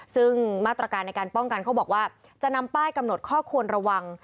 ซึ่งมาตรการในการป้องกันเขาบอกว่าจะนำป้ายกำหนดข้อควรระวัง